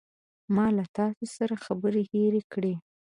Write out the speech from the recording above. ما له تاسو سره خبرې هیرې کړې.